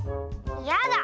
やだ！